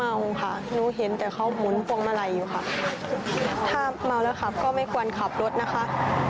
เมาค่ะหนูเห็นแต่เขาหมุนพวงมาลัยอยู่ค่ะถ้าเมาแล้วขับก็ไม่ควรขับรถนะคะ